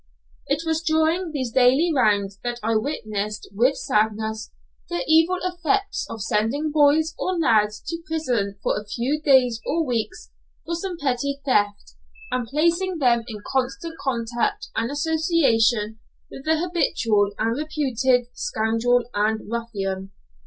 It was during these daily rounds that I witnessed with sadness the evil effects of sending boys or lads to prison for a few days or weeks for some petty theft, and placing them in constant contact and association with the habitual and reputed scoundrel and ruffian.